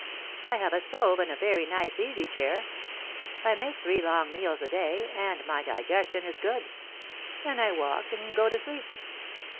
I have a stove and a very nice easy chair; I make three long meals a day, and my digestion is good; then I walk and go to sleep.